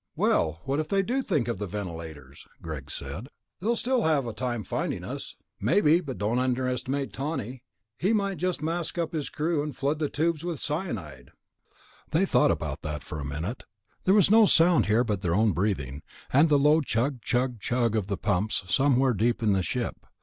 "Well, what if they do think of the ventilators?" Greg said. "They'd still have a time finding us." "Maybe, but don't underestimate Tawney. He might just mask up his crew and flood the tubes with cyanide." They thought about that for a minute. There was no sound here but their own breathing, and the low chug chug chug of the pumps somewhere deep in the ship.